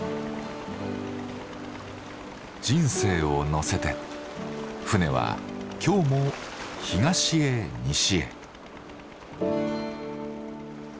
人生を乗せて船は今日も東へ西へ。